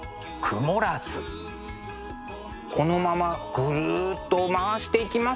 このままぐるっと回していきますと。